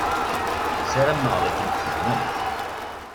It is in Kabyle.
Ssarameɣ d akken tfehmem.